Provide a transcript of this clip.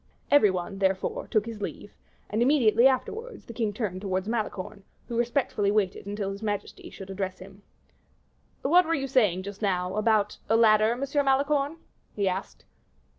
Every one, therefore, took his leave; and, immediately afterwards, the king turned towards Malicorne, who respectfully waited until his majesty should address him. "What were you saying, just now, about a ladder, Monsieur Malicorne?" he asked.